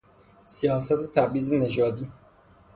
سیاست تبعیض نژادی